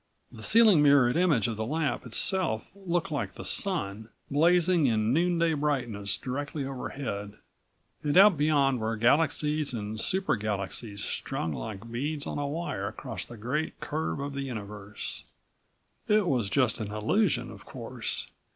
The ceiling mirrored image of the lamp itself looked like the Sun, blazing in noonday brightness directly overhead and out beyond were galaxies and super galaxies strung like beads on a wire across the great curve of the universe. It was just an illusion, of course.